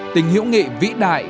tình hữu nghị vĩ đại